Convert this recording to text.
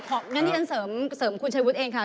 ขอเสริมคุณชัยวุฒิเองค่ะ